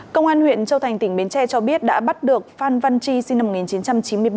công an huyện châu thành tỉnh bến tre cho biết đã bắt được phan văn chi sinh năm một nghìn chín trăm chín mươi ba